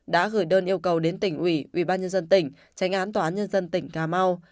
đã gửi đơn yêu cầu đến tỉnh ủy ubnd tỉnh tránh án tòa án nhân dân tỉnh cà mau